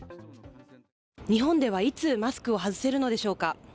日本では、いつマスクを外せるのでしょうか。